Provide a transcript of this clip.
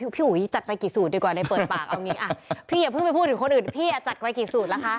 พี่อุ๋ยจัดไปกี่สูตรดีกว่าเลยเปิดปากเอางี้อ่ะพี่อย่าเพิ่งไปพูดถึงคนอื่นพี่อ่ะจัดไปกี่สูตรล่ะคะ